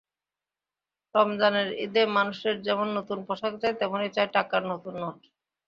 রমজানের ঈদে মানুষের যেমন নতুন পোশাক চাই, তেমনি চাই টাকার নতুন নোট।